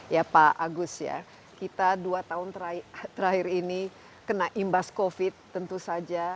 ya pak agus ya kita dua tahun terakhir ini kena imbas covid tentu saja